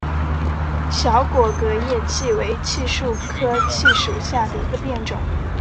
小果革叶槭为槭树科槭属下的一个变种。